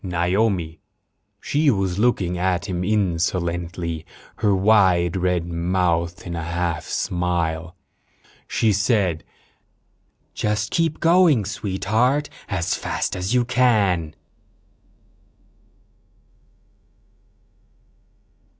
Naomi. She was looking at him insolently, her wide red mouth in a half smile. She said: "Just keep going, Sweetheart, as fast as you can."